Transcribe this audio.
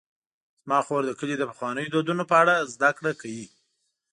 زما خور د کلي د پخوانیو دودونو په اړه زدهکړه کوي.